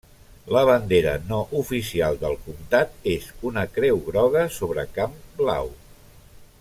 La bandera no oficial del comtat és una creu groga sobre camp blau.